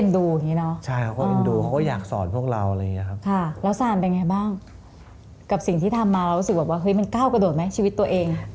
รู้สึกว่ามันก้าวกระโดดไหมชีวิตตัวเอง